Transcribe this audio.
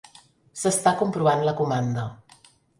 S'està comprovant la comanda.